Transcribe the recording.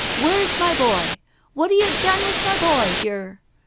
Where's my boy ? What 'a yer done with my boy, — yer